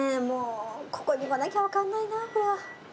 もうここで飲まなきゃ分かんないな。